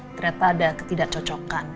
ternyata ada ketidak cocokan